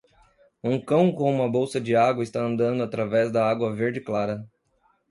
Um cão com uma bolsa de água está andando através da água verde clara.